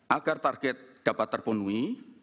agar target dapat terpenuhi